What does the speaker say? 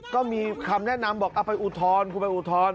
ก็มีคำแนะนำบอกเอาไปอุทธรณ์คุณไปอุทธรณ์